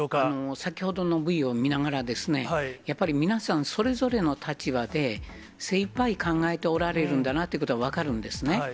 先ほどのＶを見ながらですね、やっぱり皆さん、それぞれの立場で、精いっぱい考えておられるんだなというのは分かるんですね。